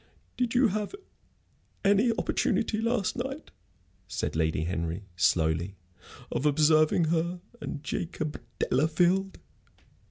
"Did you have any opportunity last night," said Lady Henry, slowly, "of observing her and Jacob Delafield?"